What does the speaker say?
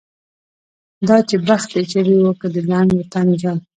دا چې بخت د ژبې و که د لنډ و تنګ ژوند.